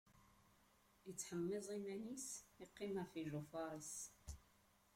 Ittḥemmiẓ iman-is, iqqim ɣef ijufaṛ-is.